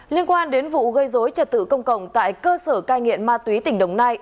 liên quan đến vụ gây dối trật tự công cộng tại cơ sở cai nghiện ma túy tỉnh đồng nai